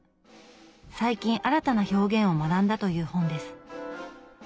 最近新たな表現を学んだという本です。